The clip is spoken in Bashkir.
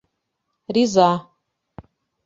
Риза.